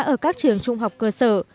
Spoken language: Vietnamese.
ở các trường trung học cơ sở